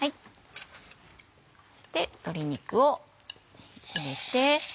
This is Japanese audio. そして鶏肉を入れて。